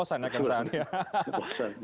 ruangnya sempit sempit sempit